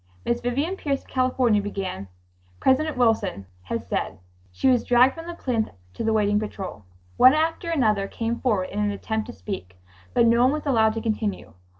Miss Vivian Pierce of California began: "President Wilson has said ...' She was dragged from the plinth to the waiting patrol. One after another came forward in an attempt to speak, but no one was allowed to continue.